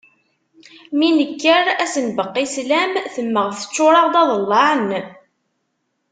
Mi nekker ad as-nbeqqi sslam temmeɣ teččur-aɣ-d aḍellaɛ n